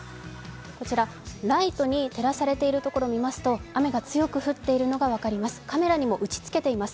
こちらライトに照らされているところを見ますと雨が強く降っているのが分かります。